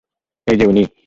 ওই যে উনি!